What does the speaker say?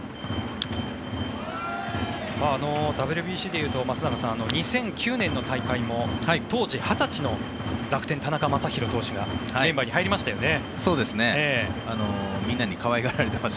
ＷＢＣでいうと松坂さん、２００９年の大会も当時、２０歳の楽天、田中将大投手がメンバーに入りましたよね。